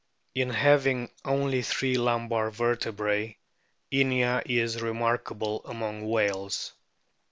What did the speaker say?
In having only three lumbar vertebrae Inia is remarkable among whales.